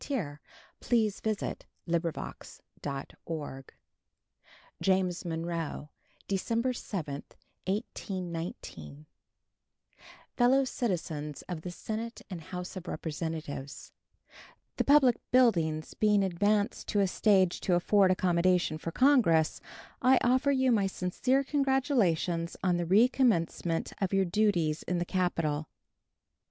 State of the Union Address James Monroe December 7, 1819 Fellow Citizens of the Senate and House of Representatives: The public buildings being advanced to a stage to afford accommodation for Congress, I offer you my sincere congratulations on the recommencement of your duties in the Capitol.